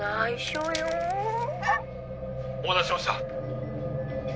「お待たせしました」